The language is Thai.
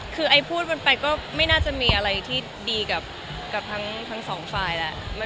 คือไอ้พูดมันไปก็ไม่น่าจะมีอะไรที่ดีกับทั้งสองฝ่ายแหละ